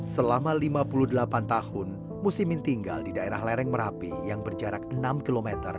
selama lima puluh delapan tahun musimin tinggal di daerah lereng merapi yang berjarak enam km dari puncak gunung merapi